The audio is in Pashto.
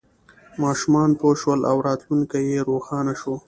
ماشومان پوه شول او راتلونکی یې روښانه شو.